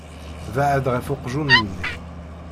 Beɛɛed ɣef uqjun-nni.